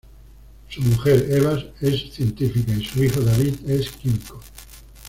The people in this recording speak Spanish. Su mujer Eva es científica y su hijo David es químico.